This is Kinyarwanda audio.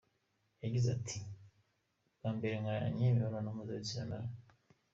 Yagize ati”Bwa mbere nkoranye imibonano mpuzabitsina na we.